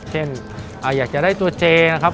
เช่นอยากจะได้ตัวเจนะครับ